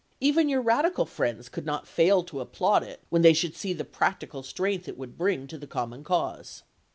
Even your radical friends could not fail to applaud it when they should see the practical strength it would bring to the common cause.